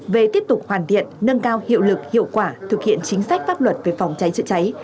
về tiếp tục hoàn thiện nâng cao hiệu lực hiệu quả thực hiện chính sách pháp luật về phòng cháy chữa cháy